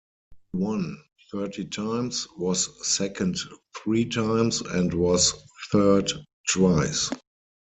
He won thirty times, was second three times, and was third twice.